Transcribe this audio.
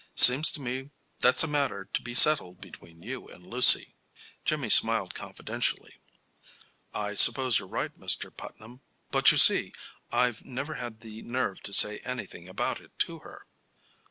Seems to me that's a matter to be settled between you and Lucy." Jimmy smiled confidentially. "I suppose you're right, Mr. Putnam. But, you see, I've never had the nerve to say anything about it to her."